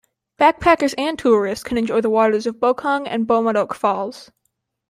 Backpackers and tourists can enjoy the waters of Bokong and Bomod-ok Falls.